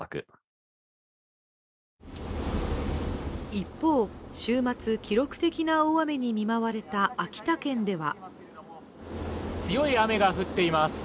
一方、週末記録的な大雨に見舞われた秋田県では強い雨が降っています。